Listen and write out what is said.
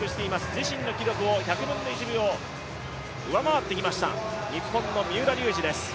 自身の記録を１００分の１秒上回ってきました日本の三浦龍司です。